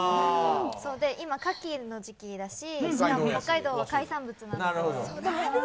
今、かきの時期だし、しかも北海道は海産物なんかも。